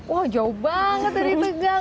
wah jauh banget dari tegang